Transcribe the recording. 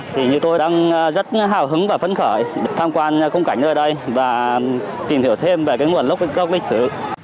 thì như tôi đang rất hào hứng và phấn khởi tham quan khung cảnh nơi đây và tìm hiểu thêm về nguồn lốc lịch sử